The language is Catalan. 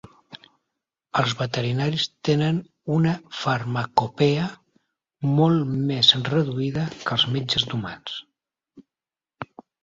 Els veterinaris tenen una farmacopea molt més reduïda que els metges d'humans.